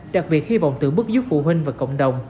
đặc biệt hy vọng tưởng bức giúp phụ huynh và cộng đồng